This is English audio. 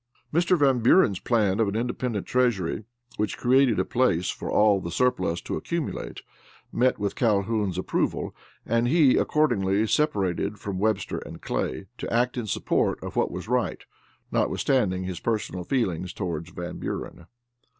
Mr. Van Buren's plan of an independent treasury, which created a place for all the surplus to accumulate, met with Calhoun's approval, and he accordingly separated from Webster and Clay to act in support of what was right, notwithstanding his personal feelings toward Van Buren.